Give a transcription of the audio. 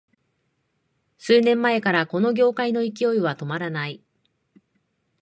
数年前からこの業界の勢いは止まらない